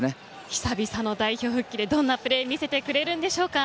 久々の代表復帰でどんなプレーを見せてくれるんでしょうか。